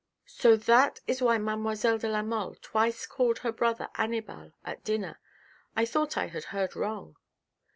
" So that is why mademoiselle de la Mole twice called her brother Annibal at dinner. I thought I had heard wrong."